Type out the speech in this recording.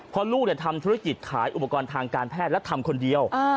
เพราะลูกทำธุรกิจขายอุปกรณ์ทางการแพทย์และทำคนเดียว